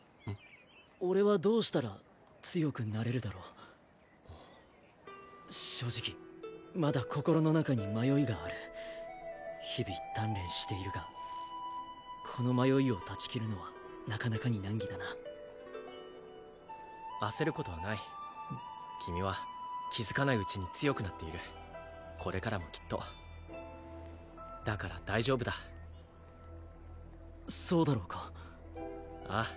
俺はどうしたら強くなれるだろう正直まだ心の中に迷いがある日々鍛錬しているがこの迷いを断ち切るのはなかなかに難儀だな焦ることはない君は気づかないうちに強くなっているこれからもきっとだから大丈夫だそうだろうかああ